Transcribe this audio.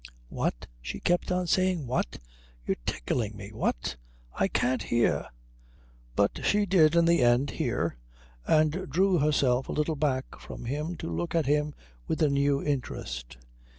"What?" she kept on saying. "What? You're tickling me what? I can't hear " But she did in the end hear, and drew herself a little back from him to look at him with a new interest.